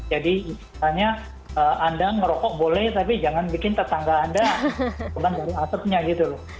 jadi misalnya anda merokok boleh tapi jangan bikin tetangga anda bukan dari asetnya gitu loh